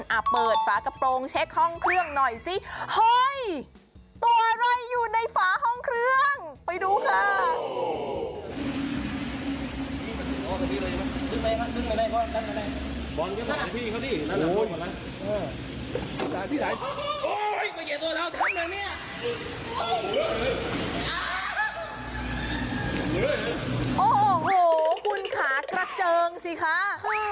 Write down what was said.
โอ้โหคุณขากระเจิงสิคะ